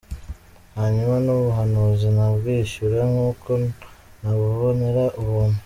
Hanyuma n'ubuhanuzi nabwishyura nk'uko nabubonera ubuntu.